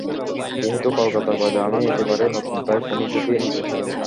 যেহেতু কলকাতার বাজারে আমি একেবারেই নতুন, তাই কোনো ঝুঁকি নিতে চাইনি।